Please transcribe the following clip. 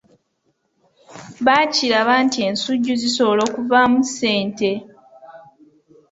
Baakiraba nti ensujju zisobola okuvaamu ssente.